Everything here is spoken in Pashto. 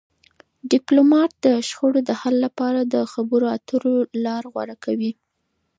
ډيپلومات د شخړو د حل لپاره د خبرو اترو لار غوره کوي.